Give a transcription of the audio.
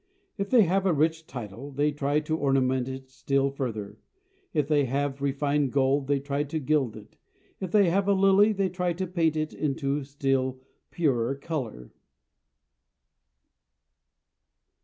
If they have a rich title, they try to ornament it still further; if they have refined gold, they try to gild it; if they have a lily, they try to paint it into still purer color.